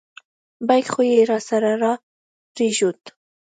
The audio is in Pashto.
بیک خو یې راسره را پرېښود.